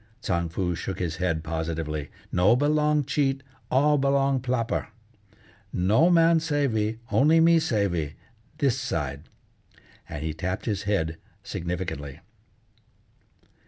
Tsang Foo shook his head positively. "No belong cheat, all belong ploper. No man savey, only me savey, this side," and he tapped his head significantly.